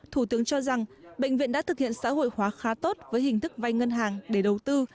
thủ tướng cho rằng bệnh viện đã thực hiện xã hội hóa khá tốt với hình thức vay ngân hàng để đầu tư